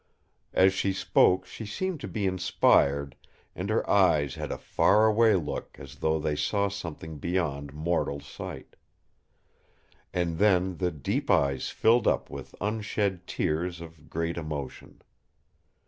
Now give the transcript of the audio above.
As she spoke she seemed to be inspired; and her eyes had a far away look as though they saw something beyond mortal sight. And then the deep eyes filled up with unshed tears of great emotion.